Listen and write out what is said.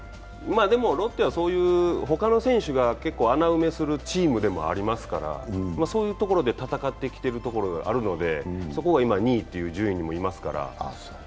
でもロッテは他の選手が結構穴埋めするチームでもありますから、そういうところで戦ってきてるところがあるので、そこが今２位という順位にもいますから。